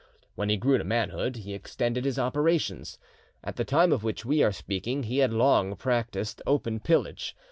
When he grew to manhood, he extended his operations. At the time of which we are speaking, he had long practised open pillage.